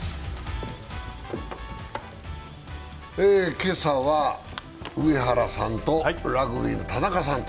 今朝は上原さんとラグビーの田中さん。